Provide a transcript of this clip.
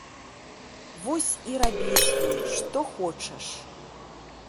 Вось і рабі з ёй, што хочаш!